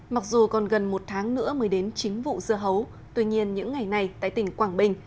mặc dù còn gần một tháng nữa mới đến chính vụ dưa hấu tuy nhiên những ngày này tại tỉnh quảng bình